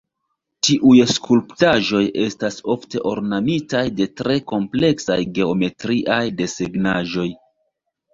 Tiuj skulptaĵoj estas ofte ornamitaj de tre kompleksaj geometriaj desegnaĵoj.